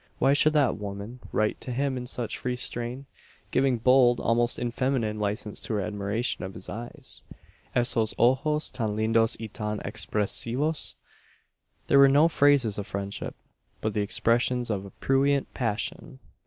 Why should that woman write to him in such free strain giving bold, almost unfeminine, licence to her admiration of his eyes: "Essos ojos tan lindos y tan espresivos?" These were no phrases of friendship; but the expressions of a prurient passion.